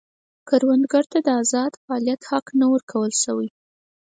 کروندګرو ته د ازاد فعالیت حق نه و ورکړل شوی.